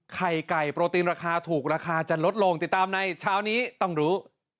ไข่ไก่โปรตีนราคาถูกราคาจะลดลงติดตามในเช้านี้ต้องรู้